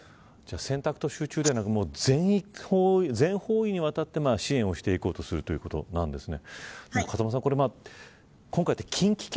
選択と集中ではなく全方位にわたって支援をしていこうとするということなんですね。